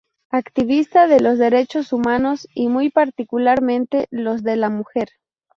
Activista de los derechos humanos y muy particularmente los de la mujer.